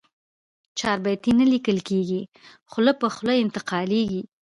چاربیتې نه لیکل کېږي، خوله په خوله انتقالېږي.